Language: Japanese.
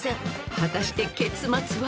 果たして結末は？］